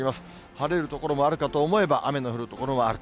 晴れる所もあるかと思えば、雨の降る所もある。